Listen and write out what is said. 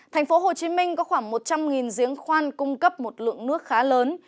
thành phố hồ chí minh có khoảng một trăm linh giếng khoan cung cấp một lượng nước khá lớn